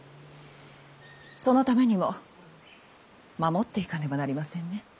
そのためにも守っていかねばなりませんね